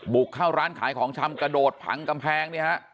บุกเข้าร้านขายของชำกระโดดผังกำแพงเนี่ยฮะ